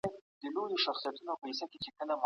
ډیپلوماټیک اړیکي باید د دوه اړخیز درناوي په چوکاټ کي وي.